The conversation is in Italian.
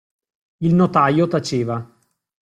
Il notaio taceva.